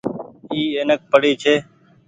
اي اينڪ پڙي ڇي۔